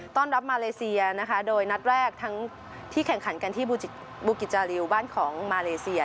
ต้อนรับมาเลเซียโดยนัดแรกที่แข่งขันที่บูกิจาลิวบ้านของมาเลเซีย